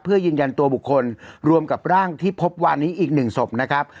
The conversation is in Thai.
เพื่อยืนยันตัวบุคคลรวมกับร่างที่พบวานนี้อีกหนึ่งศพนะครับ